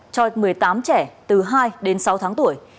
cho một mươi tám trẻ từ hai đến sáu tháng tuổi